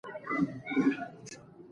کوچني کاروبارونه د مالي مدیریت ښه تمرین دی۔